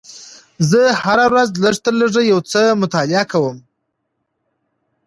زه هره ورځ لږ تر لږه یو څه مطالعه کوم